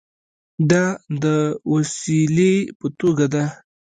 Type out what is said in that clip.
دا د وسیلې په توګه ده.